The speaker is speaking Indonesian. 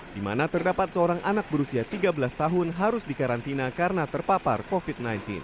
di mana terdapat seorang anak berusia tiga belas tahun harus dikarantina karena terpapar covid sembilan belas